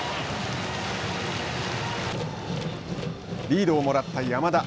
リードをもらった山田。